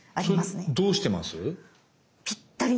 それどうしてます？